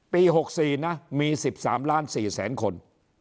ปี๖๔นะมี๑๓ล้าน๔แสนคน